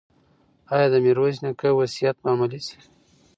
ایا د میرویس نیکه وصیت به عملي شي؟